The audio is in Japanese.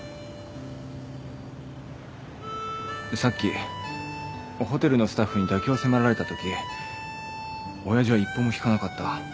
さっきホテルのスタッフに妥協を迫られたとき親父は一歩も引かなかった。